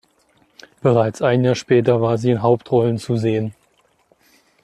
Bereits ein Jahr später war sie in Hauptrollen zu sehen.